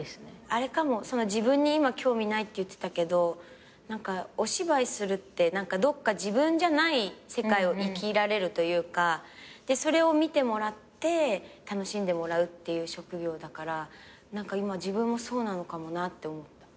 あれかも自分に今興味ないって言ってたけど何かお芝居するってどっか自分じゃない世界を生きられるというかでそれを見てもらって楽しんでもらうっていう職業だから何か今自分もそうなのかもなって思った。